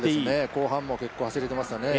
後半も結構走れてましたね。